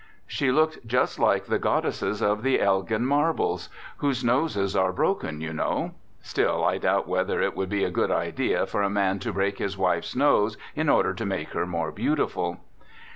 She looked just like the goddesses of the Elgin marbles, whose noses are broken, you know. Still I doubt whether it would be a good idea for a man to break his wife's nose in order to make her more beautiful.